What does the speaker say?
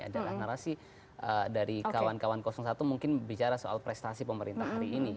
adalah narasi dari kawan kawan satu mungkin bicara soal prestasi pemerintah hari ini